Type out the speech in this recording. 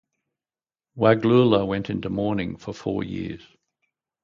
Waglula went into mourning for four years.